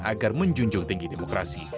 agar menjunjung tinggi demokrasi